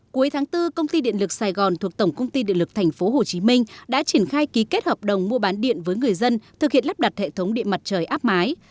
cuối tháng bốn công ty điện lực sài gòn thuộc tổng công ty điện lực tp hcm đã triển khai ký kết hợp đồng mua bán điện với người dân thực hiện lắp đặt hệ thống điện mặt trời áp mái